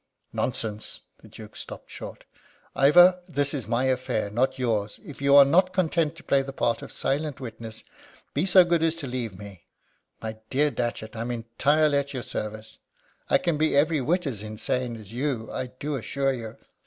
"Nonsense!" The Duke stopped short. "Ivor, this is my affair, not yours. If you are not content to play the part of silent witness, be so good as to leave me." "My dear Datchet, I'm entirely at your service. I can be every whit as insane as you, I do assure you."